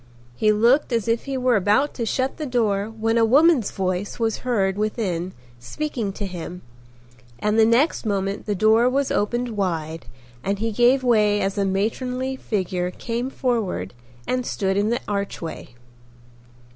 He looked as if he were about to shut the door when a woman's voice was heard within speaking to him and the next moment the door was opened wide and he gave way as a matronly figure came forward and stood in the archway.